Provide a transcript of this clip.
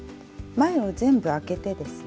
前を全部開けてですね